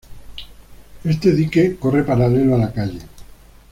Este dique corre paralelo a la calle.